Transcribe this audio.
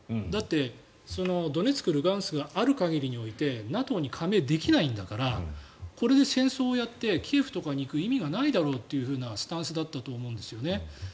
だってドネツク、ルガンスクがある限りにおいてＮＡＴＯに加盟できないんだからこれで戦争をやってキエフとかに行く意味がないだろうというスタンスだったと思うんですね。